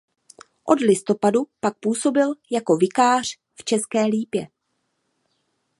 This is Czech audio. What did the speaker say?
Od listopadu pak působil jako vikář v České Lípě.